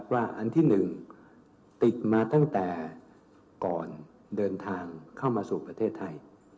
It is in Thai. อันที่๑ติดมาตั้งแต่ก่อนเดินทางเข้ามาสู่ประเทศไทย